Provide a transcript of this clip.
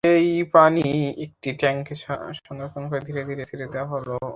সেই পানি একটি ট্যাংকে সংরক্ষণ করে ধীরে ধীরে ছেড়ে দেওয়া হলে ভালো।